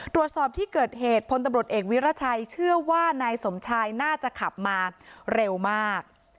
ตรวจสอบที่เกิดเหตุพลตำรวจเอกวิรัชัยเชื่อว่านายสมชายน่าจะขับมาเร็วมาก